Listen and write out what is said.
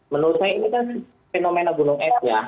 menurut saya ini kan fenomena gunung es ya